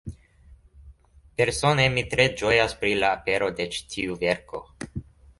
Persone, mi tre ĝojas pri la apero de ĉi tiu verko.